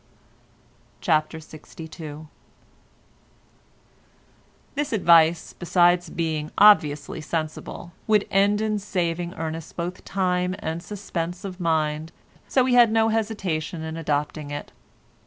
CHAPTER LXII This advice, besides being obviously sensible, would end in saving Ernest both time and suspense of mind, so we had no hesitation in adopting it.